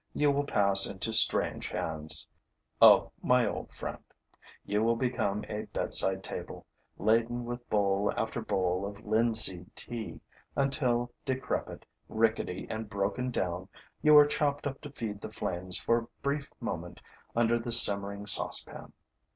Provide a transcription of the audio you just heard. You will pass into strange hands, O my old friend; you will become a bedside table, laden with bowl after bowl of linseed tea, until, decrepit, rickety and broken down, you are chopped up to feed the flames for a brief moment under the simmering saucepan.